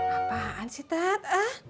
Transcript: apaan sih tat